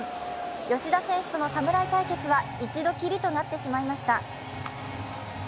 吉田選手との侍対決は一度きりとなってしまいました。